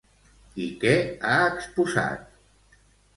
I què ha exposat?